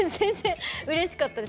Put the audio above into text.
うれしかったです。